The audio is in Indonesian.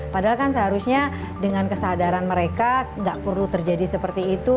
padahal kan seharusnya dengan kesadaran mereka nggak perlu terjadi seperti itu